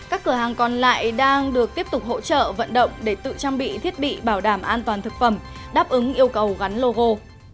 các cửa hàng còn lại đang được tiếp tục hỗ trợ vận động để tự trang bị thiết bị bảo đảm an toàn thực phẩm đáp ứng yêu cầu gắn logo